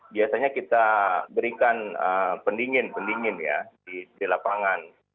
biasanya kita berikan pendingin pendingin ya di lapangan